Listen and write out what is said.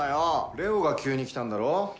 レオが急に来たんだろ？